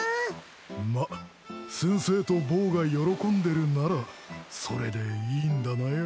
まっ先生とボーが喜んでるならそれでいいんだなよ。